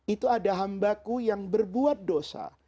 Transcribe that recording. itu ada hambaku yang berbuat dosa